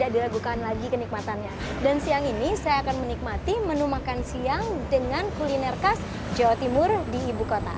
dan siang ini saya akan menikmati menu makan siang dengan kuliner khas jawa timur di ibu kota